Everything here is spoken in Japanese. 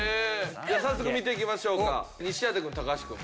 じゃあ早速見ていきましょうか。